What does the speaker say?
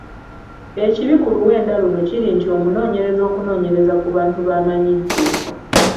Ekibi ku luwenda luno kiri nti omunoonyereza okunoonyereza ku bantu b’amanyidde.